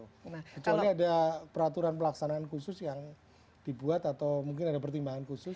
kecuali ada peraturan pelaksanaan khusus yang dibuat atau mungkin ada pertimbangan khusus